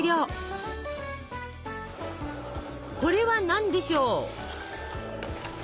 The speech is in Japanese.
これは何でしょう？